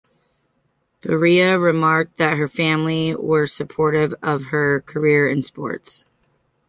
Barea remarked that her family were supportive of her career in sports.